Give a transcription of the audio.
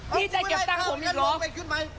พี่จะเก็บตั้งผมอีกหรอก